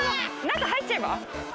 中入っちゃえば？